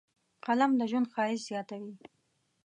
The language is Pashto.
قلم د ژوند ښایست زیاتوي